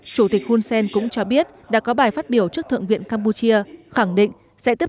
chủ tịch hunsen cũng cho biết đã có bài phát biểu trước thượng viện campuchia khẳng định sẽ tiếp